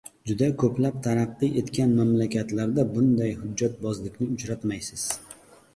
Juda ko‘plab taraqqiy etgan mamlakatlarda bunday hujjatbozlikni uchratmaysiz.